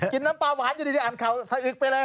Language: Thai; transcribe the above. น้ำปลาหวานอยู่ดีอ่านข่าวสะอึกไปเลย